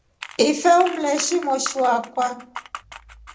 Ife umleshinai moshi wakwa.